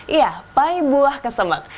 iya pai buah kesembek